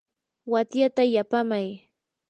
watyata yapaamay.